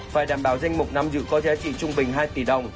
phải đảm bảo danh mục năm dự có giá trị trung bình hai tỷ đồng